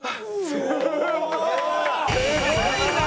すごいな！